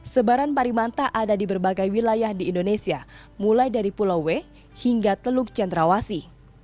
sebaran parimanta ada di berbagai wilayah di indonesia mulai dari pulau w hingga teluk centrawasi